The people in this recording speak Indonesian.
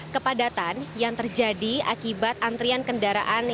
kepadatan yang terjadi akibat antrian kendaraan